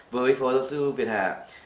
với phó giáo sư việt hà